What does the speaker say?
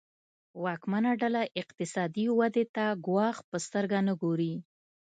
واکمنه ډله اقتصادي ودې ته ګواښ په سترګه نه ګوري.